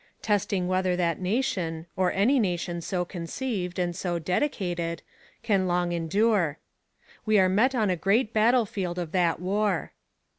. .testing whether that nation, or any nation so conceived and so dedicated. .. can long endure. We are met on a great battlefield of that war.